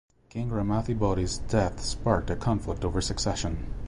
King Ramathibodi's death sparked a conflict over succession.